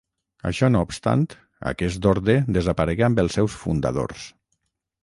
Això no obstant, aquest orde desaparegué amb els seus fundadors.